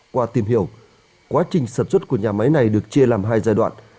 qua tìm hiểu quá trình sản xuất của nhà máy này được chia làm hai giai đoạn